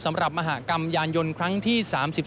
มหากรรมยานยนต์ครั้งที่๓๒